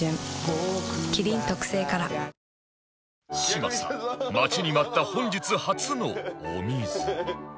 嶋佐待ちに待った本日初のお水